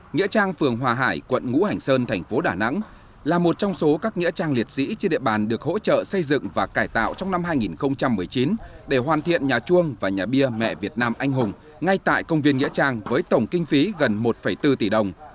nghĩa trang phường hòa hải quận ngũ hành sơn thành phố đà nẵng là một trong số các nghĩa trang liệt sĩ trên địa bàn được hỗ trợ xây dựng và cải tạo trong năm hai nghìn một mươi chín để hoàn thiện nhà chuông và nhà bia mẹ việt nam anh hùng ngay tại công viên nghĩa trang với tổng kinh phí gần một bốn tỷ đồng